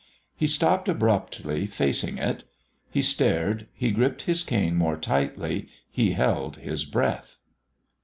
He stopped abruptly, facing it. He stared, he gripped his cane more tightly, he held his breath.